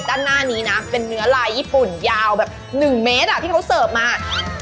ด้านหน้านี้นะเป็นเนื้อลายญี่ปุ่นยาวแบบ๑เมตรที่เขาเสิร์ฟมา